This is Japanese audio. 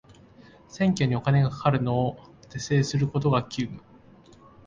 選挙にお金がかかるのを是正することが急務